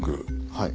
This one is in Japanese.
はい。